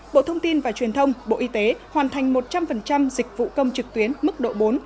bộ thông tin và truyền thông bộ y tế hoàn thành một trăm linh dịch vụ công trực tuyến mức độ bốn